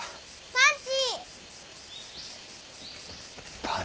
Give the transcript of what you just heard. パンチ。